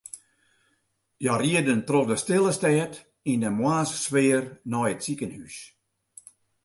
Hja rieden troch de stille stêd yn moarnssfear nei it sikehús.